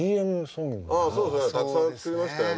あそうですねたくさん作りましたよ